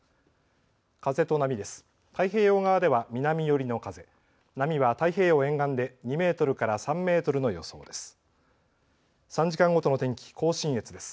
風と波です。